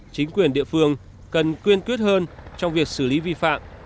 chính quyền địa phương cần quyên quyết hơn trong việc xử lý vi phạm